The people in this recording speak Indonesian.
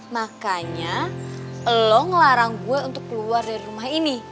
makanya lo ngelarang gue untuk keluar dari rumah ini